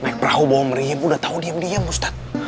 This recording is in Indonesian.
naik perahu bawa meriem udah tau diam diam ustadz